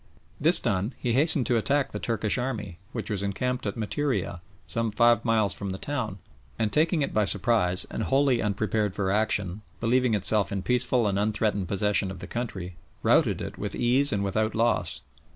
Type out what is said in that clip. This done, he hastened to attack the Turkish army, which was encamped at Materiah, some five miles from the town, and taking it by surprise and wholly unprepared for action, believing itself in peaceful and unthreatened possession of the country, routed it with ease and without loss.